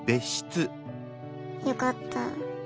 よかった。